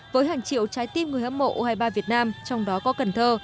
với hàng triệu trái tim người hâm mộ u hai mươi ba việt nam trong đó có cần thơ